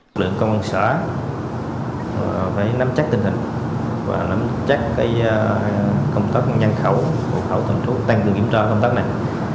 lực lượng công an xã phải nắm chắc tình hình và nắm chắc công tác nhân khẩu hộ khẩu tầm trú tăng cường kiểm tra công tác này